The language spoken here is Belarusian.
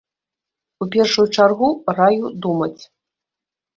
У першую чаргу раю думаць.